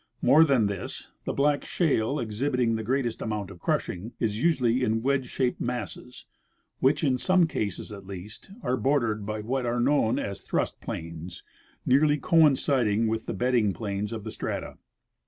More than this, the black ,shale, exhibiting the greatest amount of crushing, is usually in Avedge shaped masses, which, in some cases at least, are bordered by what are known as thrust planes, nearly coinciding with the bedding planes of the strata.